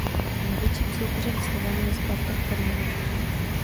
Největším soupeřem Slovanu je Spartak Trnava.